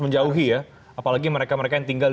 menjauhi ya apalagi mereka mereka yang tinggal